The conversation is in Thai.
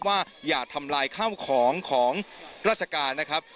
ว่าอย่าทำลายข้าวของของราชการนะครับ